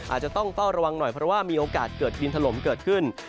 อาจจะต้องเฝ้าระวังหน่อยเพราะว่ามีโอกาสเกิดดินถล่มเกิดขึ้น